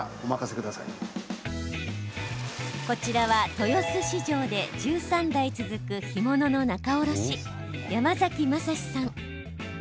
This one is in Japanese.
こちらは、豊洲市場で１３代続く干物の仲卸山崎雅さん。